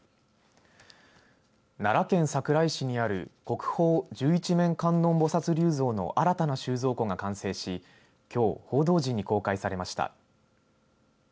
奈良県桜井市にある国宝十一面観音菩薩立像の新たな収蔵庫が完成しきょう報道陣に公開されました。